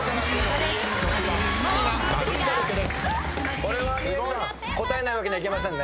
これはミエさん答えないわけにはいきませんね。